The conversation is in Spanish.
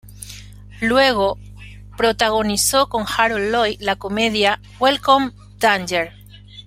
Luego, protagonizó con Harold Lloyd la comedia "Welcome Danger".